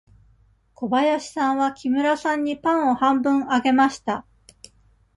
小林さんは木村さんにパンを半分あげました。